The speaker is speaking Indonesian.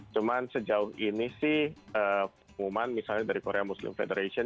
cuman sejauh ini sih pengumuman misalnya dari korea muslim federation